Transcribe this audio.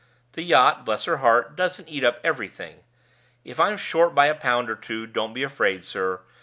The yacht (bless her heart!) doesn't eat up everything. If I'm short by a pound or two, don't be afraid, sir.